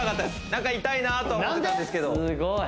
何か痛いなと思ってたんですけど何で？